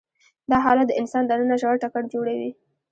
دا حالت د انسان دننه ژور ټکر جوړوي.